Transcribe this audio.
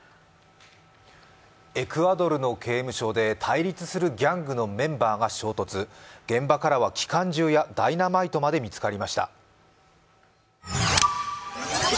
エクアドルの刑務所で対立するギャングのメンバーが衝突、現場からは機関銃やダイナマイトまで見つかりました。